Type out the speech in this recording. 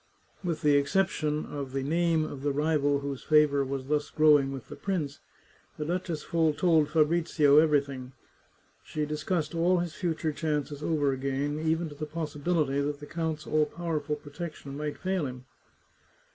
With the exception of the name of the rival whose favour was thus growing with the prince, the duchess told Fabrizio everything. She discussed all his future chances over again, even to the possibility that the count's all powerful protection might fail him.